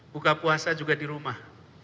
buka puasa juga di rumah